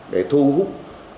để thu hút